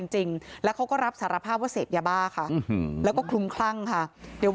จริงแล้วเขาก็รับสารภาพว่ามีเบาค่ะเราก็คุ้มครั่งค่ะเดี๋ยว